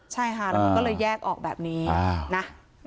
ใช่ค่ะแล้วมันก็เลยแยกออกแบบนี้นะ